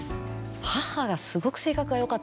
母がすごく性格がよかったんですよ。